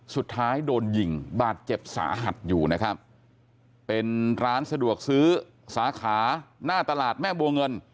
สุดท้ายโดนยิงบาดเจ็บสาหัสอยู่นะครับเป็นร้านสะดวกซื้อสาขาหน้าตลาดแม่บัวเงิน